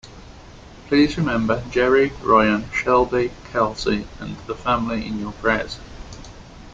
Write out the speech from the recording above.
Please remember Jeri, Ryan, Shelby, Kelsey and the family in your prayers.